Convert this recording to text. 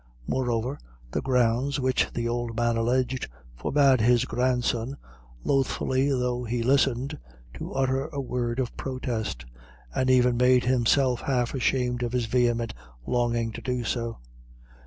Moreover, the grounds which the old man alleged forbade his grandson, lothfully though he listened, to utter a word of protest, and even made him half ashamed of his vehement longing to do so.